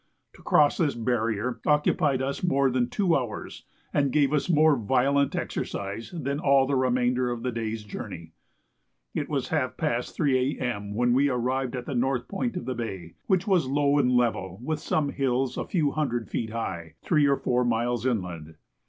To cross this barrier occupied us more than two hours, and gave us more violent exercise than all the remainder of the day's journey. It was half past 3 A.M. when we arrived at the north point of the bay, which was low and level, with some hills a few hundred feet high, three or four miles inland.